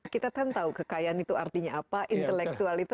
kita kan tahu kekayaan itu artinya apa intelektual itu